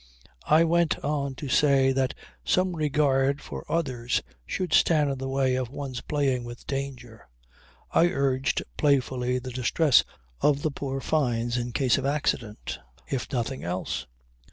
I went on to say that some regard for others should stand in the way of one's playing with danger. I urged playfully the distress of the poor Fynes in case of accident, if nothing else.